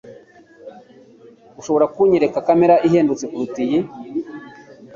Ushobora kunyereka kamera ihendutse kuruta iyi